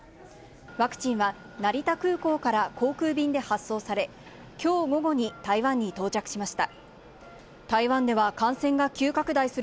ワクチンは成田空港から航空便で発送され、きょう午後に台湾に到着しました。